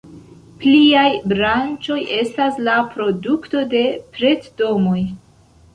Pliaj branĉoj estas la produkto de pret-domoj.